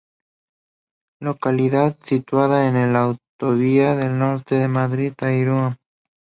Localidad situada en la autovía del Norte de Madrid a Irún.